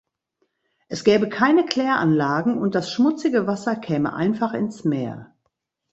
Es gäbe keine Kläranlagen und das schmutzige Wasser käme einfach ins Meer.